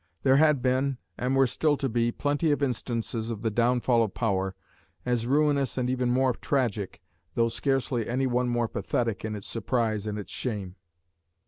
There had been, and were still to be, plenty of instances of the downfall of power, as ruinous and even more tragic, though scarcely any one more pathetic in its surprise and its shame.